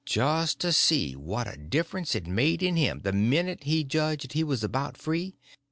Just see what a difference it made in him the minute he judged he was about free.